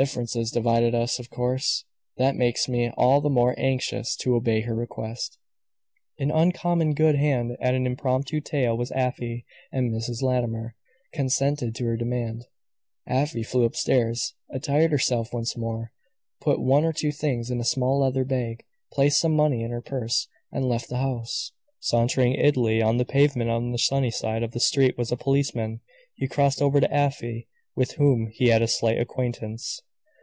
Differences divided us. Of course that makes me all the more anxious to obey her request." An uncommon good hand at an impromptu tale was Afy. And Mrs. Latimer consented to her demand. Afy flew upstairs, attired herself once more, put one or two things in a small leather bag, placed some money in her purse, and left the house. Sauntering idly on the pavement on the sunny side of the street was a policeman. He crossed over to Afy, with whom he had a slight acquaintance.